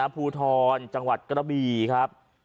ภูทรจังหวัดกระบีครับ